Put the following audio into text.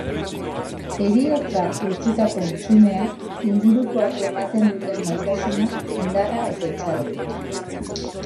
Heriotzak utzitako hutsunea, ingurukoak ematen duten maitasuna, indarra eta itxaropena.